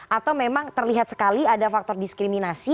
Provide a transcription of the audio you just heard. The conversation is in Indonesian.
atau memang terlihat sekali ada faktor diskriminasi